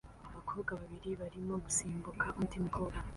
Abakobwa babiri barimo gusimbuka undi mukobwa